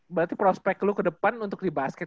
berarti prospek lu ke depan untuk di basket